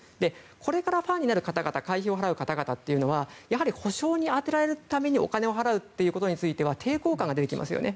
これからファンになる方々会費を払う方々というのはやはり補償に充てられるためにお金を払うことについては抵抗感が出てきますよね。